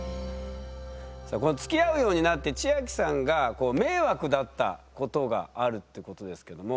さあこのつきあうようになって千明さんが迷惑だったことがあるってことですけども。